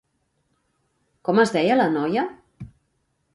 Com es deia la noia?